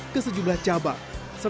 ke sejumlah cabang